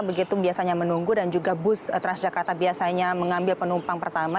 begitu biasanya menunggu dan juga bus transjakarta biasanya mengambil penumpang pertama